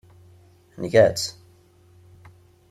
Nga-tt.